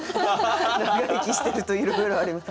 「長生きしてるといろいろあります」。